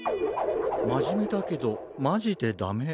まじめだけどまじでダメ。